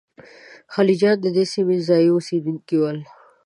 خلجیان د دې سیمې ځايي اوسېدونکي ول.